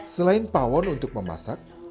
selain pawon untuk memasak